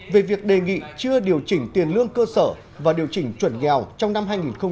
về việc đề nghị chưa điều chỉnh tiền lương cơ sở và điều chỉnh chuẩn nghèo trong năm hai nghìn hai mươi